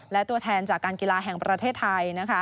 และตัวแทนจากการกีฬาแห่งประเทศไทย